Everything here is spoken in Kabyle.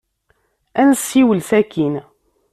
Ad nessiwel sakkin.